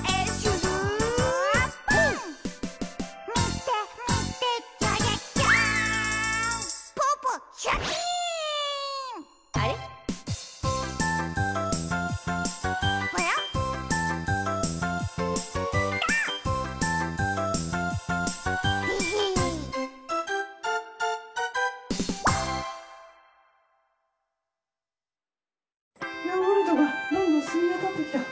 でへへヨーグルトがどんどんしみわたってきた。